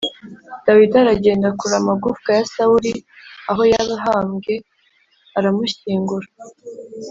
Dawidi aragenda akura amagufwa ya Sawuli aho yahambwe aramushyingura